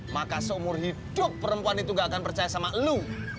maka seumur hidup perempuan itu gak akan percaya sama lu